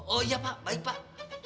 oh iya pak baik pak